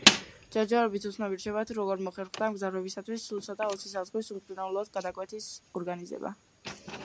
ჯერჯერობით უცნობი რჩება, თუ როგორ მოხერხდება მგზავრებისთვის, სულ ცოტა, ოცი საზღვრის უმტკივნეულოდ გადაკვეთის ორგანიზება.